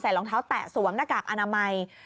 รองเท้าแตะสวมหน้ากากอนามัย